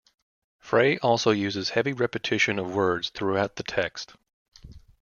Frey also uses heavy repetition of words throughout the text.